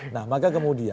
nah maka kemudian